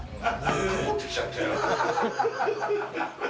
曇ってきちゃったよ。